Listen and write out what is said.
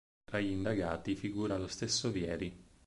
Tra gli indagati figura lo stesso Vieri.